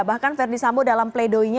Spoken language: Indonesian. bahkan fede sambo dalam play doh nya